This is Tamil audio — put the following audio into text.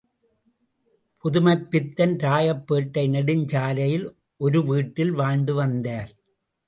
புதுமைப்பித்தன் ராயப்பேட்டை நெடுஞ் சாலையில் ஒரு வீட்டில் வாழ்ந்து வந்தார்.